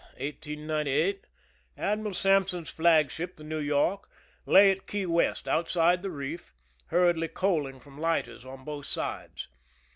ON May 29, 1898, Admiral Sampson's flagship, the New York, lay at Key West, outside the reef^ hurriedly coaling from lighters on both sides.